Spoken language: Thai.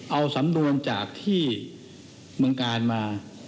เอาสำนวนจากที่เมืองกาลมา